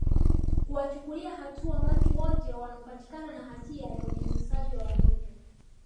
kuwachukulia hatua watu wote wanaopatikana na hatia ya unyanyasaji wa watoto